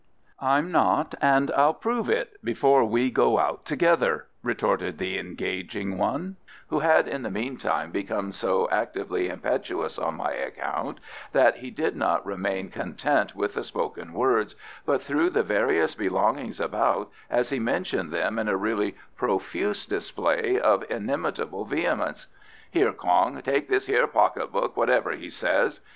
"I'm not, and I'll prove it before we go out together," retorted the engaging one, who had in the meantime become so actively impetuous on my account, that he did not remain content with the spoken words, but threw the various belongings about as he mentioned them in a really profuse display of inimitable vehemence. "Here, Kong, take this hyer pocket book whatever he says.